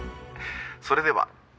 それでは。